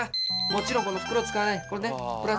もちろんこの袋使わないこれね。